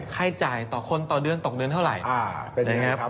ค่ายจ่ายต่อคนต่อเดือนตกเดือนเท่าไหร่นะครับ